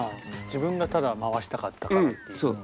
自分がただ回したかったからっていう。